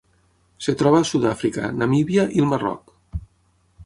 Es troba a Sud-àfrica, Namíbia i el Marroc.